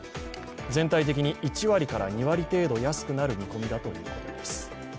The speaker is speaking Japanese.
全体的に１割から２割程度安くなる見込みだということです。